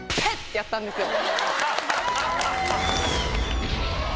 てやったんですよ。